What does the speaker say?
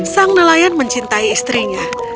sang nelayan mencintai istrinya